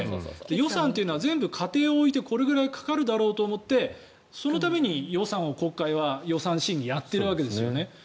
予算というのは全部仮定を置いてこれくらいかかるだろうと思ってそのために国会は予算審議をやっているわけですよね。